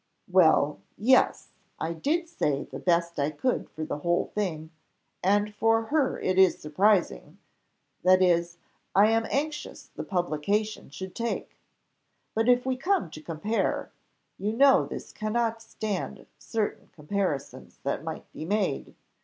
"Well! yes I did say the best I could for the whole thing, and for her it is surprising that is, I am anxious the publication should take. But if we come to compare you know this cannot stand certain comparisons that might be made.